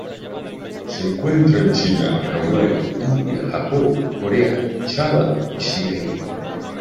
Se encuentra en China, Hawaii, India, Japón, Corea, Java y Siberia.